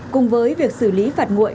cùng với việc xử lý phạt nguội